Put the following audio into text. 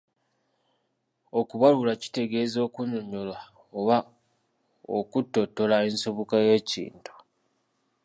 Okubaluula kitegeeza okunnyonnyola oba okutottola ensibuko y’ekintu.